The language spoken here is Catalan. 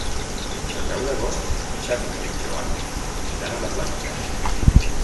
El deu d'agost en Xavi i en Joan iran a la platja.